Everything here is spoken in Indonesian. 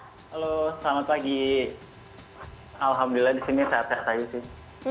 halo selamat pagi alhamdulillah di sini sehat sehat saja sih